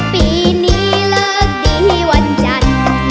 ปีนี้เลิกดีวันจันทร์